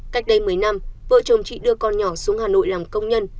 cách đây một mươi năm vợ chồng chị đưa con nhỏ xuống hà nội làm công nhân